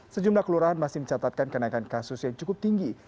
sejumlah kelurahan masih mencatatkan kenaikan kasus yang cukup tinggi